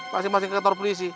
masih masih ke kantor polisi